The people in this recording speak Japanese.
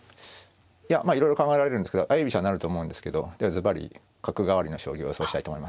いやまあいろいろ考えられるんですけど相居飛車になると思うんですけどずばり角換わりの将棋を予想したいと思います。